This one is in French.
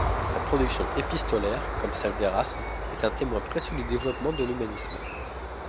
Sa production épistolaire, comme celle d'Érasme, est un témoin précieux du développement de l'humanisme.